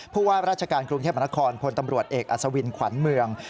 ผู้ว่าราชการกรุงเทพมนครพลตำรวจเอกอัศวินขวัญเมือง